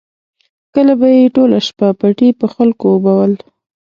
کله به یې ټوله شپه پټي په خلکو اوبول.